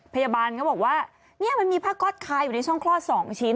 พยาบาลเขาบอกว่าเนี่ยมันมีผ้าก๊อตคาอยู่ในช่องคลอด๒ชิ้น